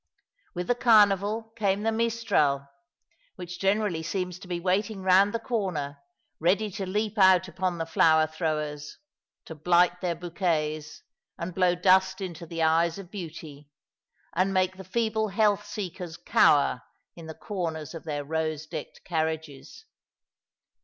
With the Carnival came the mistral, which generally seems to be waiting round the corner ready to leap out upon the flower throwers, to blight their bouquets, and blow dust into the eyes of beauty, and make the feeble health seekers cower in the corners of their rose decked carriages.